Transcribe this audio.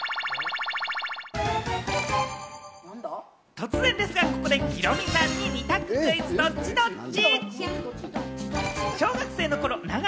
突然ですがここでヒロミさんに二択クイズ、ドッチ？ドッチ？